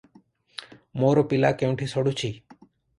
ମୋର ପିଲା କେଉଁଠି ସଢ଼ୁଚି?